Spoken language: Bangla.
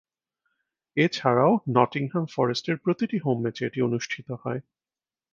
এছাড়াও নটিংহ্যাম ফরেস্টের প্রতিটি হোম ম্যাচে এটি অনুষ্ঠিত হয়।